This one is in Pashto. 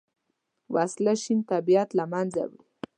وسله شین طبیعت له منځه وړي